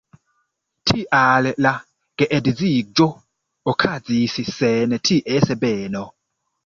Tial la geedziĝo okazis sen ties beno.